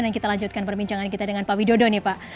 dan kita lanjutkan perbincangan kita dengan pak widodo nih pak